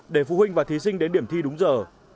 để phụ huynh và thí sinh đến điểm thi đúng giờ